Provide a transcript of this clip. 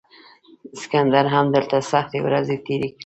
سکندر هم دلته سختې ورځې تیرې کړې